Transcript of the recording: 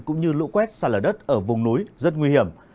cũng như lũ quét xa lở đất ở vùng núi rất nguy hiểm